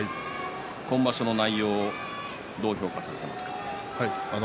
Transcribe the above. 今場所をどう評価されていますか。